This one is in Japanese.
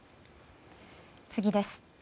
次です。